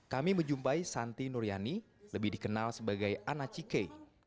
kami menjumpai santi nuriani lebih dikenal sebagai ana cike